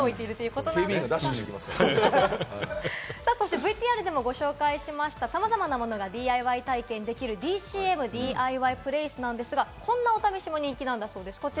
ＶＴＲでもご紹介しました、さまざまなものがＤＩＹ体験できるＤＣＭＤＩＹｐｌａｃｅなんですが、こんなお試しも人気なんだそうです。